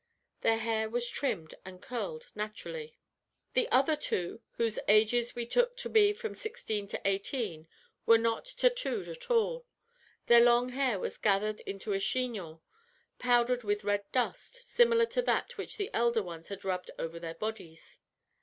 Their hair was trimmed, and curled naturally. "The other two, whose ages we took to be from sixteen to eighteen, were not tatooed at all. Their long hair was gathered into a chignon, powdered with red dust, similar to that which the elder ones had rubbed over their bodies.